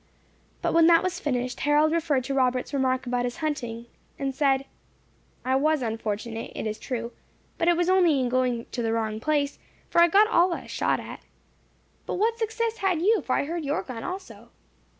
But when that was finished, Harold referred to Robert's remark about his hunting, and said, "I was unfortunate, it is true, but it was only in going to the wrong place; for I got all that I shot at. But what success had you, for I heard your gun also."